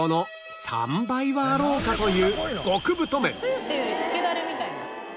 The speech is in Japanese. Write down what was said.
つゆっていうよりつけダレみたいな。